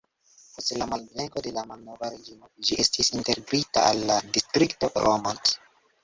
Post la malvenko de la malnova reĝimo ĝi estis integrita al la distrikto Romont.